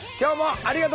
ありがとう。